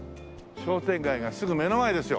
商店街がすぐ目の前ですよ。